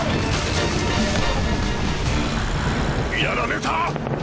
やられた！